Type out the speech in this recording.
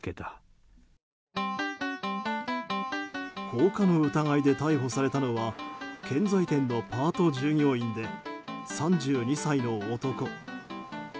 放火の疑いで逮捕されたのは建材店のパート従業員で３２歳の男。